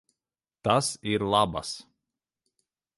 Tas ir labas.